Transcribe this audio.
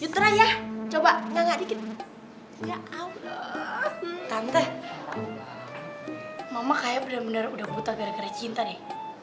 tante mama kayak bener bener udah buta gara gara cinta deh